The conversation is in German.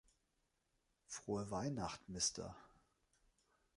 Frohe Weihnacht, Mr.